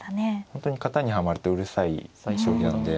本当に型にはまるとうるさい将棋なので。